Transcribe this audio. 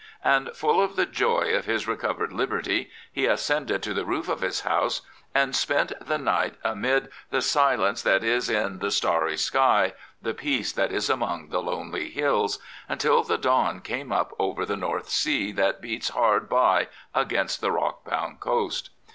And, full of the joy of bis re covered liberty, he ascended to the roof of his house and spent the night amid The silence that is in the starry sky, The peace that is among the lonely hills, until the dawn came up over the North Sea that beats hard by against the rock bound coast.